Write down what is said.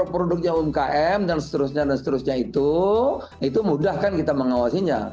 produknya umkm dan seterusnya itu mudah kita mengawasinya